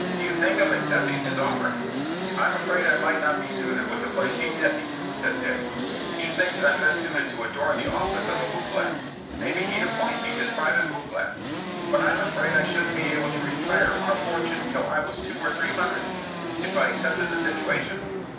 "Do you think of accepting his offer?" "I'm afraid I might not be suited with the place he'd get me," said Dick. "He thinks I'm best fitted to adorn the office of a boot black. Maybe he'd appoint me his private boot black; but I'm afraid I shouldn't be able to retire on a fortune till I was two or three hundred, if I accepted the situation."